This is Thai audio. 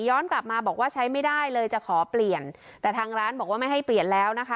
กลับมาบอกว่าใช้ไม่ได้เลยจะขอเปลี่ยนแต่ทางร้านบอกว่าไม่ให้เปลี่ยนแล้วนะคะ